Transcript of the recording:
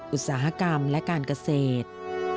อุตสาหกรรมและการเกษตร